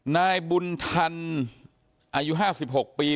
นายบุญธรรมอายุห้าสิบหกปี